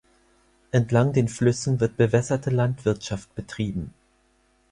Entlang den Flüssen wird bewässerte Landwirtschaft betrieben.